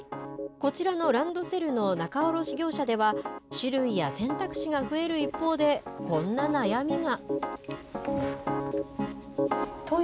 こちらのランドセルの仲卸業者では種類や選択肢が増える一方でこんな悩みが。